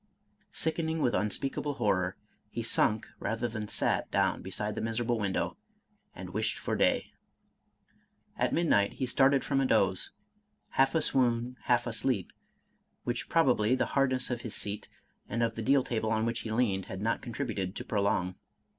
Sickening with unspeakable horror, he sunk rather than sat down beside the miserable window, and "wished for day." ••••. At midnight he started from a doze, half a swoon, half a sleep, which probably the hardness of his seat, and of the deal table on which he leaned, had not contributed to pro long.